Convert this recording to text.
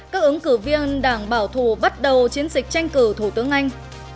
các ứng cử viên đảng bảo thù bắt đầu chiến dịch tranh cử thủ tướng anh